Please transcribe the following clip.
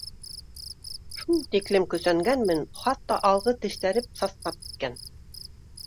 Шул тиклем көсәнгәнмен, хатта алғы тештәреп сатнап киткән.